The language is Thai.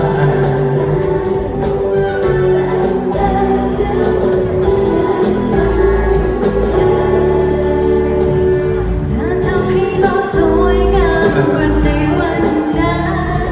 เธอทำให้เราสวยงามเหมือนในวันนั้น